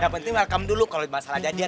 yang penting welcome dulu kalo masalah jadian